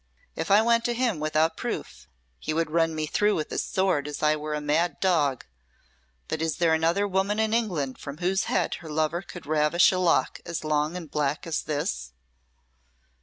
If I went to him without proof, he would run me through with his sword as I were a mad dog. But is there another woman in England from whose head her lover could ravish a lock as long and black as this?"